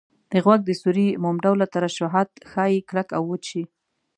د غوږ د سوري موم ډوله ترشحات ښایي کلک او وچ شي.